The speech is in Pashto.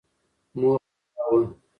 موخه دا وه ،